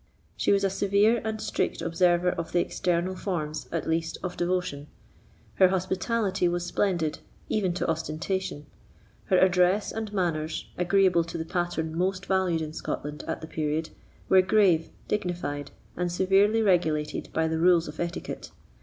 She was a severe and strict observer of the external forms, at least, of devotion; her hospitality was splendid, even to ostentation; her address and manners, agreeable to the pattern most valued in Scotland at the period, were grave, dignified, and severely regulated by the rules of etiquette.